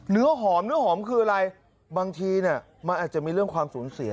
เนื้อหอมเนื้อหอมคืออะไรบางทีมันอาจจะมีเรื่องความสูญเสีย